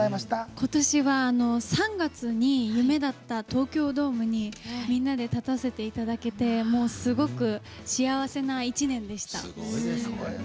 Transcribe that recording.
今年は、３月に夢だった東京ドームにみんなで立たせていただけてすごく幸せな１年でした。